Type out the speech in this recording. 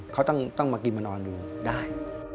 เขาต้องมากินมานอนดูได้